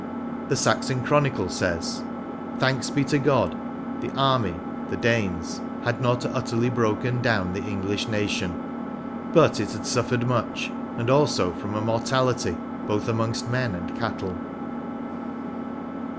The Saxon Chro nicle says, Thanks be to God the army (the Danes) had not utterly broken down the English nation ;" but it had suffered much, and also from a mortality both amongst men and cattle.